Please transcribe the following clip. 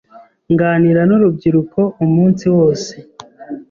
Nganira nurubyiruko umunsi wose.